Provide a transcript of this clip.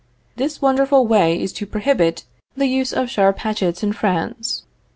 This wonderful way is to prohibit the use of sharp hatchets in France.